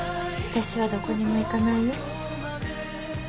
私はどこにも行かないよ。